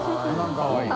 かわいい。